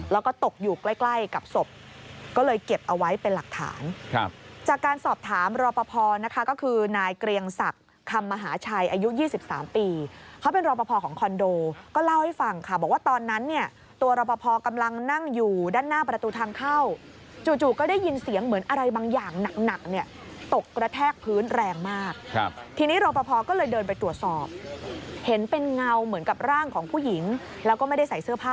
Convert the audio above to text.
แล้วก็ตกอยู่ใกล้กับศพก็เลยเก็บเอาไว้เป็นหลักฐานจากการสอบถามรอปภนะคะก็คือนายเกรียงศักดิ์คำมหาชายอายุ๒๓ปีเขาเป็นรอปภของคอนโดก็เล่าให้ฟังค่ะบอกว่าตอนนั้นเนี่ยตัวรอปภกำลังนั่งอยู่ด้านหน้าประตูทางเข้าจู่ก็ได้ยินเสียงเหมือนอะไรบางอย่างหนักเนี่ยตกระแทกพื้นแรงมากที